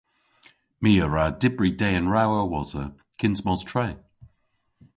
My a wra dybri dehen rew a-wosa kyns mos tre.